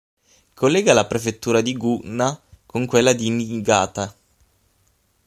Collega la prefettura di Gunma con quella di Niigata.